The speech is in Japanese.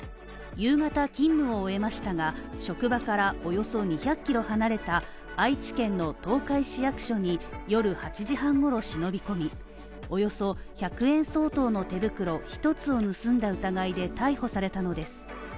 夕方、勤務を終えましたが、職場からおよそ２００ｋｍ離れた愛知県の東海市役所に夜８時半ごろ忍び込みおよそ１００円相当の手袋１つを盗んだ疑いで逮捕されたのです。